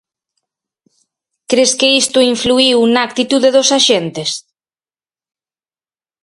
Cres que isto influíu na actitude dos axentes?